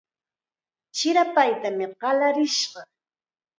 Chirapaytam qallarishqa.